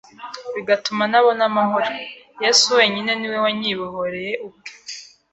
bigatuma ntabona amahoro, Yesu wenyine ni we wanyibohoreye ubwe